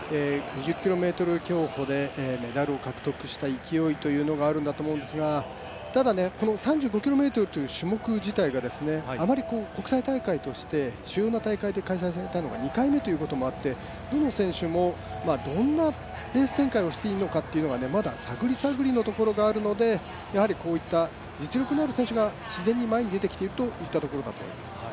５０ｋｍ競歩でメダルを獲得した勢いがあると思うんですがただ３５ｋｍという種目自体があまり国際大会として主要な大会で開催されたのが２回目ということもあってどの選手もどんなレース展開をしていいのかまだ探り探りのところがあるので、こういった実力のある選手が自然に前に出てきているといったところかと。